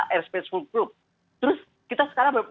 airspace fulcrum terus kita sekarang